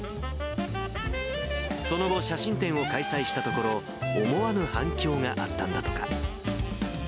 その後、写真展を開催したところ、思わぬ反響があったんだとか。